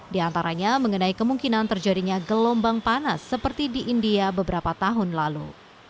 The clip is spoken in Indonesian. di antaranya mengenai kemungkinan terjadinya gelombang panas seperti di india beberapa tahun lalu